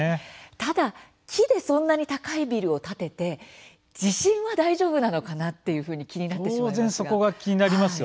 ただ、木でそんなに高いビルを建てて地震は大丈夫なのかなっていうふうに気になってしまいますが。